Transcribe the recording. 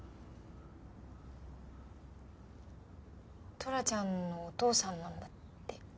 トラちゃんのお父さんなんだって。